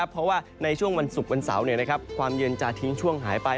เพราะว่าในช่วงวันศุกร์วันเสาร์ความเย็นจะทิ้งช่วงหายไป